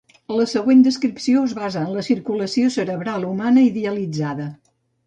La següent descripció es basa en la circulació cerebral humana idealitzada.